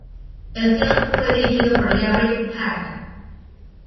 El film fue dirigido por Larry Hagman.